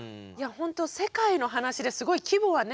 ほんと世界の話ですごい規模がね